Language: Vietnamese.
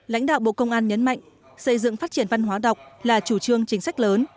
lãnh đạo bộ công an nhấn mạnh xây dựng phát triển văn hóa đọc là chủ trương chính sách lớn